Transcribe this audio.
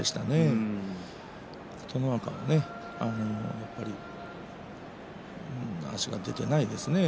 やっぱり足が出ていないですね。